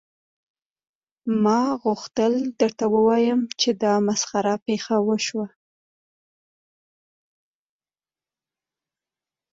ما غوښتل درته ووایم چې دا مسخره پیښه وشوه